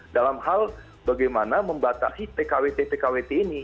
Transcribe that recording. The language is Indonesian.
dalam hal bagaimana membatasi pkwt pkwt ini